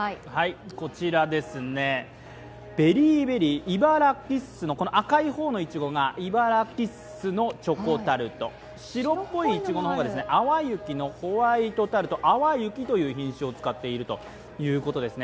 こちら、ＢｅｒｒｙＢｅｒｒｙ、いばらキッスの赤い方のいちごがいばらキッスのチョコタルト、白っぽいいちごの方が淡雪のホワイトタルト、淡雪という品種を使っているということですね。